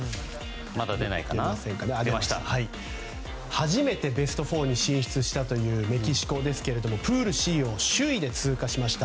初めてベスト４に進出したというメキシコですがプールＣを首位で通過しました。